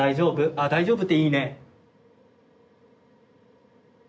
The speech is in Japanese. あ「大丈夫」っていいね。